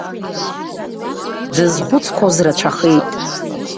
Дзызхәыцқәоз рацәахеит.